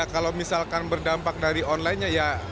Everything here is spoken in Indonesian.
kalau misalkan berdampak dari online